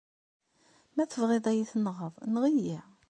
Ma tebɣiḍ ad yi-tenɣeḍ, enɣ-iyi.